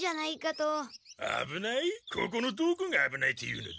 ここのどこがあぶないと言うのだ？